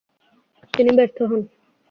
তিনি ব্যর্থ হন।